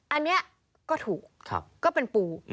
อันนี้ก็ถูกก็เป็นปู